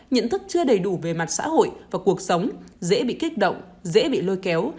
nhận thức chưa đầy đủ về mặt xã hội và cuộc sống dễ bị kích động dễ bị lôi kéo